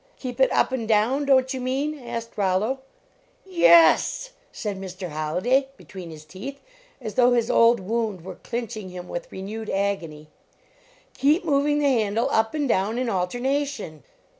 " Keep it up and down, don t you mean?" asked Rollo. Yes s s s !" said Mr. Holliday, between his teeth, as though his old wound were clinching him with renewed agony. Keep moving the handle up and down in alterna tion!"